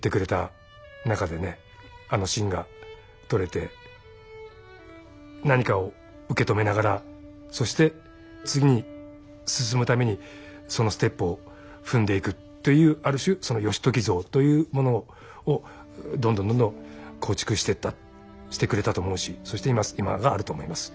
あのシーンが撮れて何かを受け止めながらそして次に進むためにそのステップを踏んでいくというある種その義時像というものをどんどんどんどん構築していったしてくれたと思うしそして今があると思います。